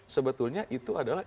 sebetulnya itu adalah